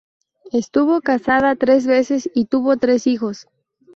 Estuvo casada tres veces y tuvo tres hijos.